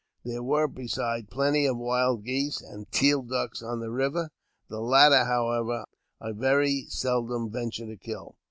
There were, besides, plenty of wild geese and teal ducks on the river — the latter, however, I very seldom ventured to kill.